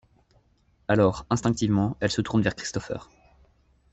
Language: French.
Alors, instinctivement, elle se tourne vers Christopher.